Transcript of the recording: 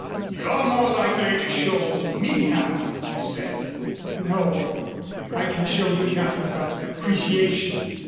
"You're more likely to show me how," he said. "No. I can show you nothing but appreciation.